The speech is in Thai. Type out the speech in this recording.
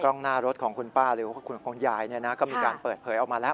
หน้ารถของคุณป้าหรือว่าคุณยายก็มีการเปิดเผยออกมาแล้ว